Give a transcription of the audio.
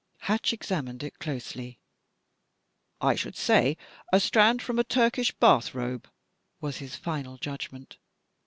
Hatch examined it closely. "I should say a strand from a Turkish bath robe," was his final judgment.